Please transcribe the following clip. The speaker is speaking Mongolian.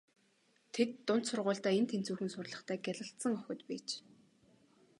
Тэд дунд сургуульдаа эн тэнцүүхэн сурлагатай гялалзсан охид байж.